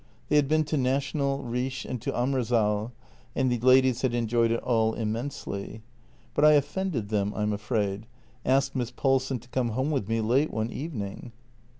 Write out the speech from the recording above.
They had been to National, Riche, and to Amorsaale, and the ladies had enjoyed it all immensely. " But I offended them, I'm afraid — asked Miss Paulsen to come home with me late one evening."